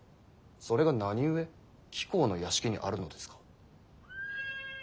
それが何故貴公の邸にあるのですか？